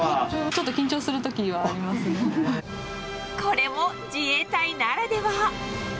ちょっと緊張するときはありこれも自衛隊ならでは。